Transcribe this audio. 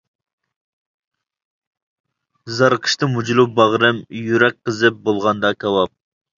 زارىقىشتا مۇجۇلۇپ باغرىم، يۈرەك قىزىپ بولغاندا كاۋاپ.